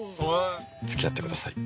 付き合ってください。